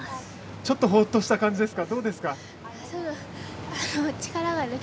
ちょっとほっとした感じですか。